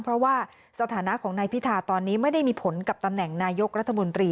เพราะว่าสถานะของนายพิธาตอนนี้ไม่ได้มีผลกับตำแหน่งนายกรัฐมนตรี